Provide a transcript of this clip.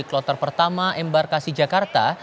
kloter pertama embarkasi jakarta